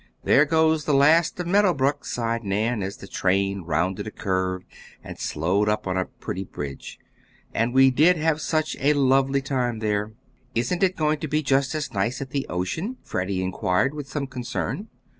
"There goes the last of Meadow Brook," sighed Nan, as the train rounded a curve and slowed up on a pretty bridge. "And we did have such a lovely time there!" "Isn't it going to be just as nice at the ocean?" Freddie inquired, with some concern.